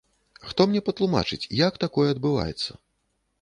Хто мне патлумачыць, як такое адбываецца?